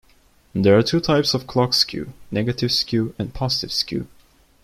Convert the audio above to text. There are two types of clock skew: negative skew and positive skew.